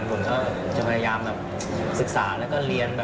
ผมก็จะพยายามศึกษาแล้วก็เรียน